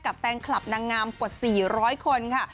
กับแฟนคลับนางงามกว่า๔๐๐คนค่ะ